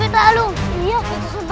waduh kalau gini mah gawat sep